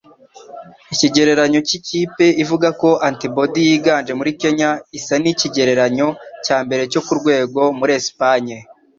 Ikigereranyo cy'ikipe ivuga ko antibody yiganje muri Kenya isa n'ikigereranyo cyambere cyo kurwego muri Espagne.